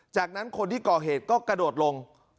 จากนั้นคนที่ก่อเหตุก็กระโดดลง